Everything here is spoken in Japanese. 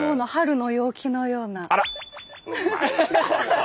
あら！